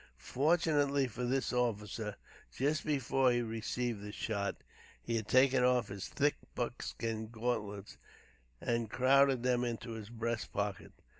Fortunately for this officer, just before he received the shot, he had taken off his thick buckskin gauntlets and crowded them into a breast pocket.